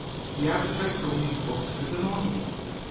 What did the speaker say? The appetite for these books is a normal one.